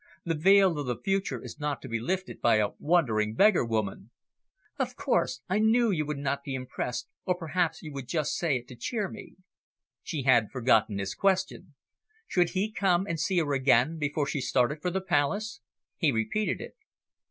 The veil of the future is not to be lifted by a wandering beggar woman." "Of course, I knew you would not be impressed, or perhaps you just say it to cheer me." She had forgotten his question should he come and see her again before she started for the Palace? He repeated it.